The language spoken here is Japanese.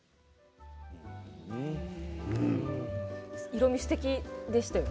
色み、すてきでしたね。